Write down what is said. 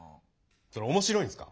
それ面白いんすか？